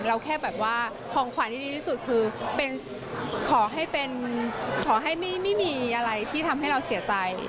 แค่แบบว่าของขวัญที่ดีที่สุดคือขอให้เป็นขอให้ไม่มีอะไรที่ทำให้เราเสียใจ